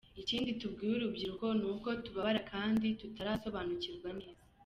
Ikindi tubwira urubyiruko ni uko tubabara kandi tutarasobanukirwa neza.